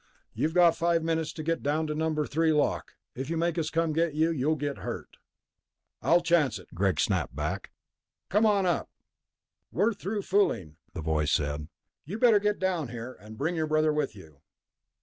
"You've got five minutes to get down to No. 3 lock. If you make us come get you, you'll get hurt." "I'll chance it," Greg snapped back. "Come on up." "We're through fooling," the voice said. "You'd better get down here. And bring your brother with you."